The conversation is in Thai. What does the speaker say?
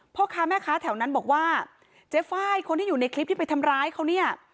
พ่อค้าแม่ค้าแถวนั้นบอกว่าเจ๊ไฟล์คนที่อยู่ในคลิปที่ไปทำร้ายเขาเนี่ย